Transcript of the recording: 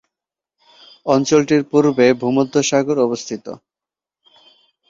অঞ্চলটির পূর্বে ভূমধ্যসাগর অবস্থিত।